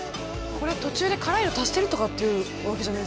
途中で辛いの足してるとかっていうわけじゃないですよね？